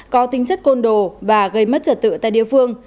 có tính chất côn đồ và gây mất trở tựa tại địa phương